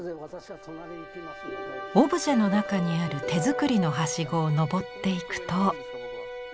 オブジェの中にある手作りのはしごを登っていくと。